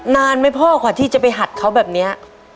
นานไหมพ่อกว่าที่จะไปหัดเขาแบบนี้